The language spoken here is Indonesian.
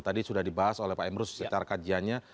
tadi sudah dibahas oleh pak emrus secara kajiannya